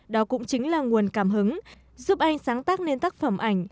đó cũng chính là nguồn cảm hứng giúp anh sáng tác nên tác phẩm ảnh